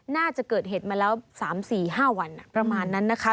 น่าจะเกิดเหตุมาแล้ว๓๔๕วันประมาณนั้นนะคะ